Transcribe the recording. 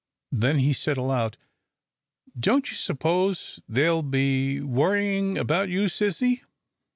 Then he said aloud, "Don't you suppose they'll be worrying about you, sissy?"